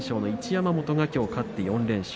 山本がきょう勝って４連勝。